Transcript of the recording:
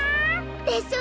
でしょ！